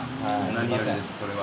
何よりですそれは。